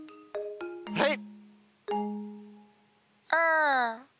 はい！